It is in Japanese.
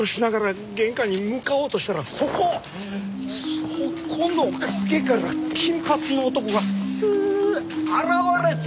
そこの陰から金髪の男がスーッ現れて。